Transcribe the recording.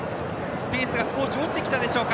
ペースが少し落ちてきたでしょうか。